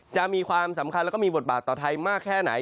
จะมีความสำคัญแล้วก็มีบทบาทต่อไทยมากแค่ไหน